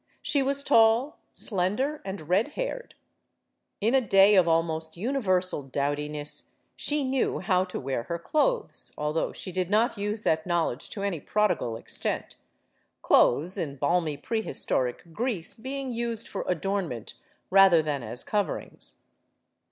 She was tall, slender, and red haired. In a day of almost universal dowdi ness, she knew how to wear her clothes although she did not use that knowledge to any prodigal extent; clothes, in balmy prehistoric Greece, being used for adornment rather than as coverings.